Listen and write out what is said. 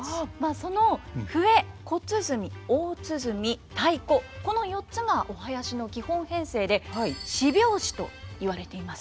その笛小鼓大鼓太鼓この４つがお囃子の基本編成で「四拍子」と言われています。